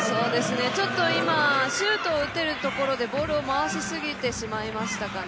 ちょっと今、シュートを打てるところでボールを回しすぎてしまいましたかね。